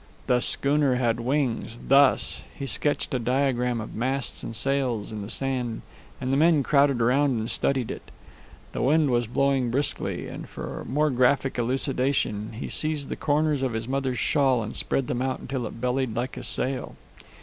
"The schooner had wings thus." He sketched a diagram of masts and sails in the sand, and the men crowded around and studied it. The wind was blowing briskly, and for more graphic elucidation he seized the corners of his mother's shawl and spread them out till it bellied like a sail.